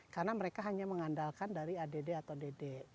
karena mereka hanya mengandalkan dari add atau dd